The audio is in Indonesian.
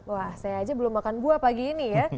wah saya aja belum makan buah pagi ini ya